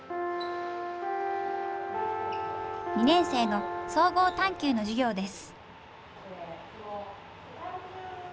２年生の総合探究の授業です。